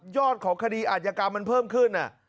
อดของคดีอาจยกรรมมันเพิ่มขึ้น